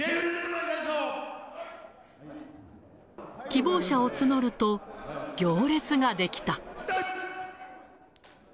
希望者を募ると、行列が出来た。